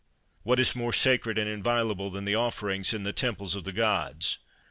What is more sacred and inviolable than the offerings in the temples of the gods?